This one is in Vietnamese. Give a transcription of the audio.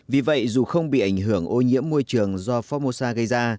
vì vậy dù không bị ảnh hưởng ô nhiễm môi trường do formosa gây ra